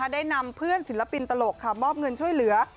ได้นำเพื่อนศิลปินตลกมอบเงินช่วยเหลือ